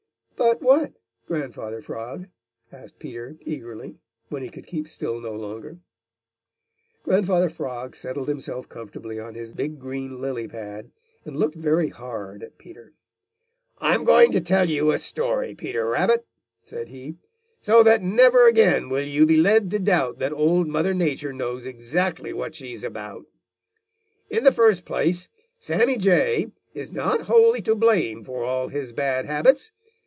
"But what, Grandfather Frog?" asked Peter eagerly, when he could keep still no longer. Grandfather Frog settled himself comfortably on his big green lily pad and looked very hard at Peter. "I'm going to tell you a story, Peter Rabbit," said he, "so that never again will you be led to doubt that Old Mother Nature knows exactly what she is about. In the first place, Sammy Jay is not wholly to blame for all his bad habits.